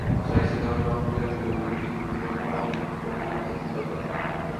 সালিসের নামে সমাজপতিরা গৃহবধূটিকে দ্বিতীয় দফা নির্যাতন করলে তিনি আত্মহত্যা করেন।